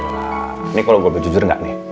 ini kalau gue berjujur gak nih